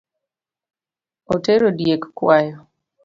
Otero diek kwayo